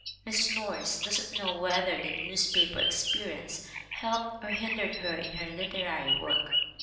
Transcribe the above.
"Mrs. Norris doesn't know whether the newspaper experience helped or hindered her in her literary work."